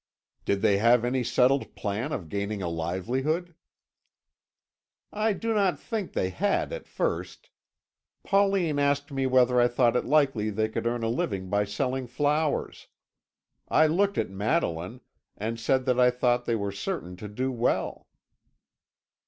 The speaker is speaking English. "Did they have any settled plan of gaining a livelihood?" "I do not think they had at first. Pauline asked me whether I thought it likely they could earn a living by selling flowers. I looked at Madeline, and said that I thought they were certain to do well."